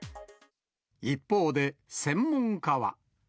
一方で、専門家は。